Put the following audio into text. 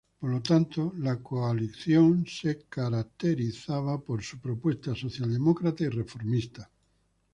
Por lo tanto, la coalición se caracterizaba su propuesta socialdemócrata y reformista.